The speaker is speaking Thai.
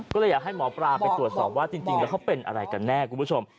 ก็เลยอยากให้หมอปลาไปตรวจสอบว่าจริงแล้วเขาเป็นอะไรกันแน่คุณผู้ชม